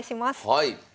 はい。